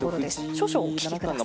少々お聞きください。